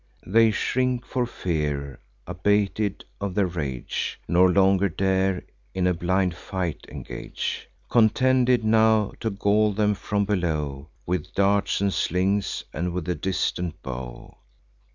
They shrink for fear, abated of their rage, Nor longer dare in a blind fight engage; Contented now to gall them from below With darts and slings, and with the distant bow.